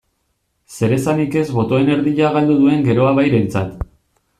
Zeresanik ez botoen erdia galdu duen Geroa Bairentzat.